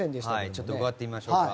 ちょっと伺ってみましょうか。